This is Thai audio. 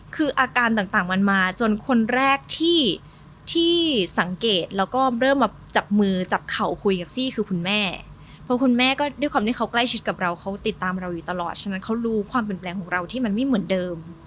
คืออาการต่างมันมาจนคนแรกที่สังเกตแล้วก็เริ่มมาจับมือจับเข่าคุยกับซี่คือคุณแม่เพราะคุณแม่ก็ด้วยความที่เขาใกล้ชิดกับเราเขาติดตามเราอยู่ตลอดใช่ไหมเขารู้ความเปลี่ยนแปลงของเราที่มันไม่เหมือนเดิม